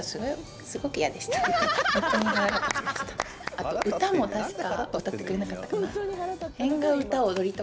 あと歌も確か歌ってくれなかったかな。